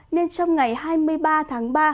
nên trong ngày hai mươi ba tháng ba